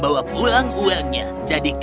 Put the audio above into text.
dan aku yang mungkin melakukan petunjukan